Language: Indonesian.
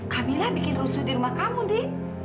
kamila bikin rusuh di rumah kamu di